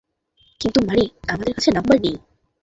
কিন্তু মারি, আমাদের কাছে নাম্বার নেই।